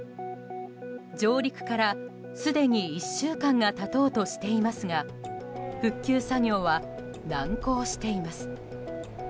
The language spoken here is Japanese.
上陸からすでに１週間が経とうとしていますが復旧作業は難航しています。